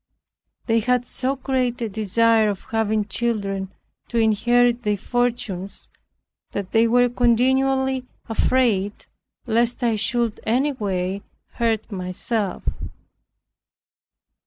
They had so great a desire of having children to inherit their fortunes, that they were continually afraid lest I should any way hurt myself.